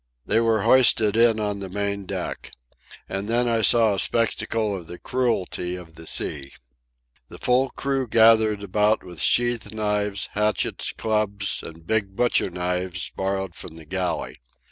They were hoisted in on the main deck. And then I saw a spectacle of the cruelty of the sea. The full crew gathered about with sheath knives, hatchets, clubs, and big butcher knives borrowed from the galley.